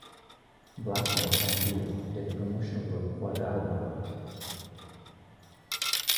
Blackmore and Dio did promotional work for the album.